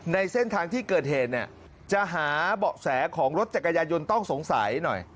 ในเส้นทางที่เกิดเหตุเนี่ยจะหาเบาะแสของรถจักรยายนต้องสงสัยหน่อย